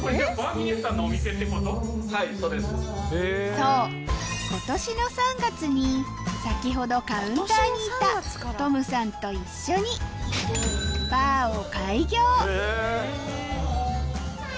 そう今年の３月に先ほどカウンターにいたトムさんと一緒にバーを開業